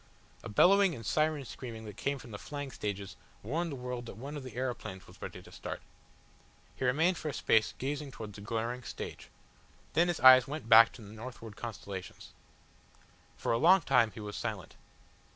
A bellowing and siren screaming that came from the flying stages warned the world that one of the aeroplanes was ready to start. He remained for a space gazing towards the glaring stage. Then his eyes went back to the northward constellations. For a long time he was silent.